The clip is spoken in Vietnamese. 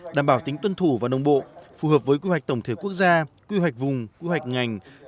đảm bảo tính tuân thủ và nông bộ phù hợp với quy hoạch tổng thể quốc gia quy hoạch vùng quy hoạch ngành